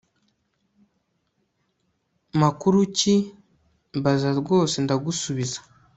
makuruki mbaza rwose ndagusubiza